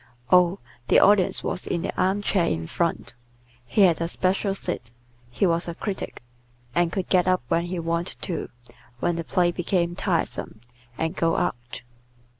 Oh, the Audience was in the arm chair in front. He had a special seat; he was a critic, and could get up when he wanted to, when the play became tiresome, and go out.